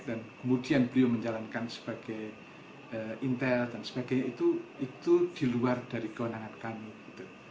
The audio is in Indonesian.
dan kemudian beliau menjalankan sebagai intel dan sebagainya itu diluar dari kewenangan kami